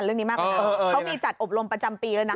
เขามีจัดอบรมประจำปีเลยนะ